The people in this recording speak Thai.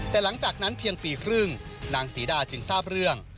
แต่หลังจากนั้นเพียงปีครึ่งนางศรีดาจึงทราบเรื่อง